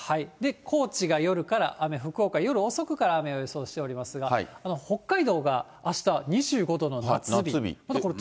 高知が夜から雨、福岡夜遅くから雨を予想しておりますが、北海道があした２５度の夏日。